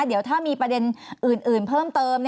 เดี๋ยวถ้ามีประเด็นอื่นเพิ่มเติม